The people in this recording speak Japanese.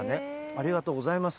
ありがとうございます。